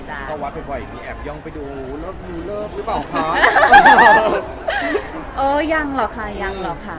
เข้าวาดบ่อยบ่อยมีแอบย่องไปดูหรือเปล่าค่ะเออยังหรอกค่ะยังหรอกค่ะ